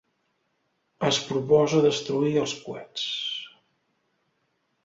Es proposa destruir els coets.